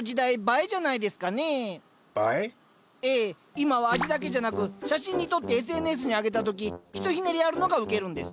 今は味だけじゃなく写真に撮ってＳＮＳに上げた時ひとひねりあるのがウケるんです。